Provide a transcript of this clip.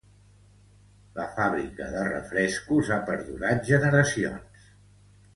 La fàbrica de refrescos ha perdurat generacions.